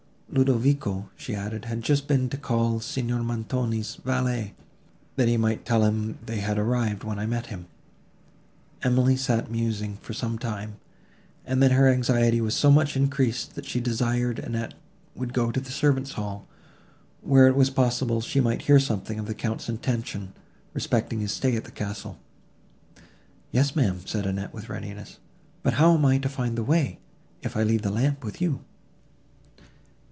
"Ludovico," she added, "had just been to call Signor Montoni's valet, that he might tell him they were arrived, when I met him." Emily sat musing, for some time, and then her anxiety was so much increased, that she desired Annette would go to the servants' hall, where it was possible she might hear something of the Count's intention, respecting his stay at the castle. "Yes, ma'am," said Annette with readiness; "but how am I to find the way, if I leave the lamp with you?"